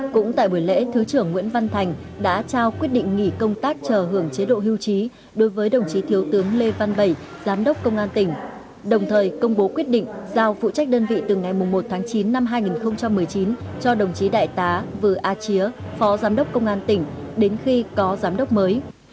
cũng tại buổi lễ thứ trưởng nguyễn văn thành đã trao quyết định nghỉ công tác chờ hưởng chế độ hưu trí đối với đồng chí thiếu tướng lê văn bảy giám đốc công an tỉnh đồng thời công bố quyết định giao phụ trách đơn vị từ ngày một tháng chín năm hai nghìn một mươi chín cho đồng chí đại tá vư a chía phó giám đốc công an tỉnh đến khi có giám đốc mới